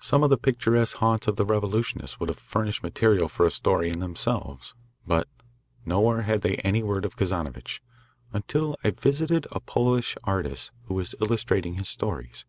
Some of the picturesque haunts of the revolutionists would have furnished material for a story in themselves. But nowhere had they any word of Kazanovitch, until I visited a Polish artist who was illustrating his stories.